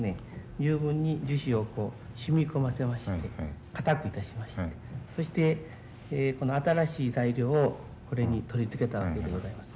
十分に樹脂をこう染み込ませまして硬くいたしましてそして新しい材料をこれに取り付けたわけでございまして。